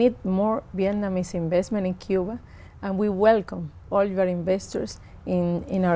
bởi vì fidel đã trả lời hỗ trợ